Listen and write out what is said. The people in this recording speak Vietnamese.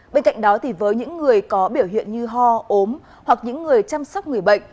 bên cạnh đó thì với những người có biểu hiện như ho ốm hoặc những người chăm sóc người bệnh